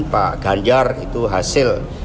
pak ganjar itu hasil